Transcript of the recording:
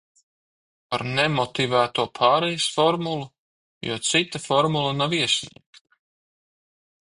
Par nemotivēto pārejas formulu, jo cita formula nav iesniegta.